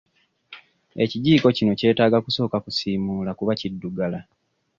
Ekijiiko kino kyetaaga kusooka kusiimuula kuba kiddugala.